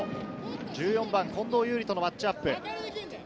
１４番・近藤侑璃とのマッチアップ。